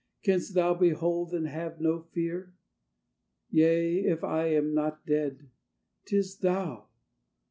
Canst thou behold and have no fear? Yea, if I am not dead, 'tis thou!